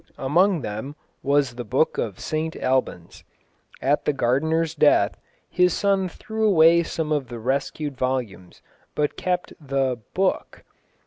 Among them was the Book of St Albans. At the gardener's death his son threw away some of the rescued volumes, but kept the "Book."